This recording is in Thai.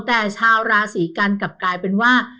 แต่ชาวราศีกันกลับกลายเป็นว่า